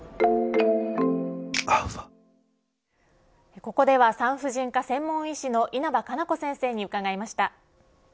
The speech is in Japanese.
ここでは産婦人科専門医師の稲葉可奈子先生に伺いました。